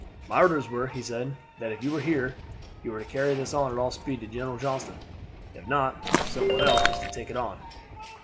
"My orders were," he said, "that, if you were here, you were to carry this on at all speed to General Johnston. If not, some one else was to take it on."